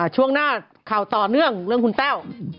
ช่วงหน้าข่าวต่อเนื่องเรื่องคุณแต้ว